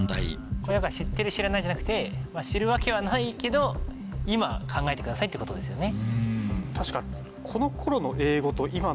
やっぱ知ってる知らないじゃなくて知るわけはないけど今考えてくださいってことですよね。